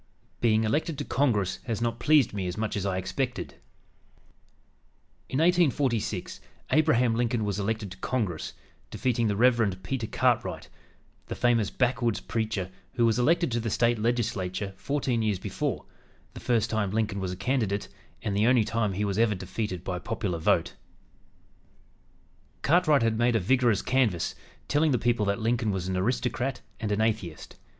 "BEING ELECTED TO CONGRESS HAS NOT PLEASED ME AS MUCH AS I EXPECTED" In 1846 Abraham Lincoln was elected to Congress, defeating the Rev. Peter Cartwright, the famous backwoods preacher, who was elected to the State Legislature fourteen years before, the first time Lincoln was a candidate and the only time he was ever defeated by popular vote. Cartwright had made a vigorous canvass, telling the people that Lincoln was "an aristocrat and an atheist."